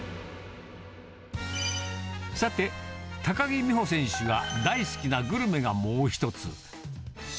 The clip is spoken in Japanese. さて、高木美帆選手が大好きなグルメがもう一つ。